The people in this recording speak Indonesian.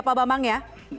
pak bambang ya